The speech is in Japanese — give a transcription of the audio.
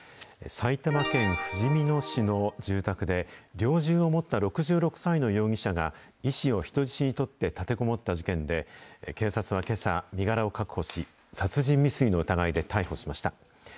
埼玉県ふじみ野市の住宅で、猟銃を持った６６歳の容疑者が、医師を人質に取って立てこもった事件で、警察はけさ、身柄を確保し、殺人未遂の疑いで逮捕しました。